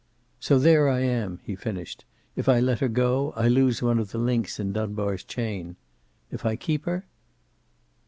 "So there I am," he finished. "If I let her go, I lose one of the links in Dunbar's chain. If I keep her?"